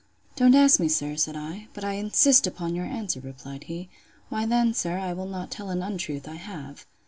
Don't ask me, sir, said I. But I insist upon your answer, replied he. Why then, sir, I will not tell an untruth; I have.